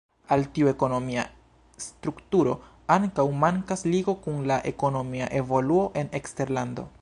Al tiu ekonomia strukturo ankaŭ mankas ligo kun la ekonomia evoluo en eksterlando.